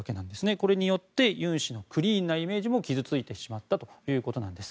これによってユン氏のクリーンなイメージも傷ついてしまったということなんです。